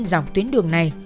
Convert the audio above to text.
dọc tuyến đường này